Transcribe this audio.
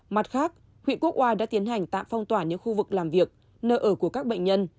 mặt khác huyện quốc oai đã tiến hành tạm phong tỏa những khu vực làm việc nơi ở của các bệnh nhân